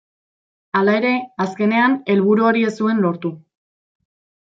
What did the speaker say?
Hala ere, azkenean helburu hori ez zuen lortu.